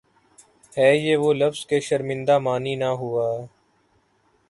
ہے یہ وہ لفظ کہ شرمندۂ معنی نہ ہوا